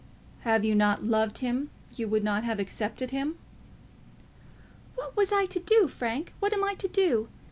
"Had you not loved him you would not have accepted him." "What was I to do, Frank? What am I to do?